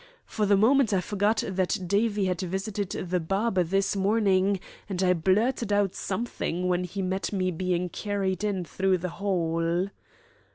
For the moment I forgot that Davie had visited the barber this morning, and I blurted out something when he met me being carried in through the hall."